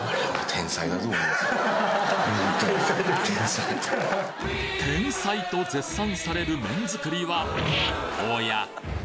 天才と絶賛される麺作りはおや？